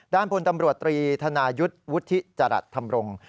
พลตำรวจตรีธนายุทธ์วุฒิจรัสธรรมรงค์